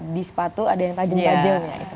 di sepatu ada yang tajem tajem ya